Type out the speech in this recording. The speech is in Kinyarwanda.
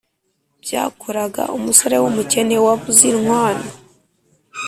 byakoraga umusore w’umukene wabuze inkwano.